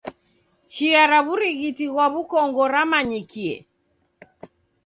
Chia ra w'urighiti ghwa w'ukongo ramanyikie.